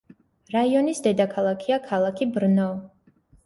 რაიონის დედაქალაქია ქალაქი ბრნო.